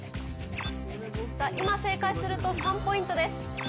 今正解すると３ポイントです。